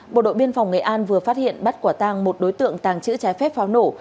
bộ đội biên phòng nghệ an vừa phát hiện bắt quả tang một đối tượng tàng trữ trái phép pháo nổ